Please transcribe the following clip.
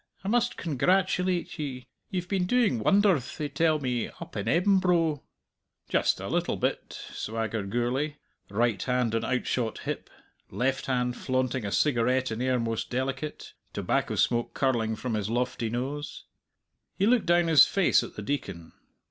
I must congratulate ye. Ye've been doing wonderth, they tell me, up in Embro." "Just a little bit," swaggered Gourlay, right hand on outshot hip, left hand flaunting a cigarette in air most delicate, tobacco smoke curling from his lofty nose. He looked down his face at the Deacon.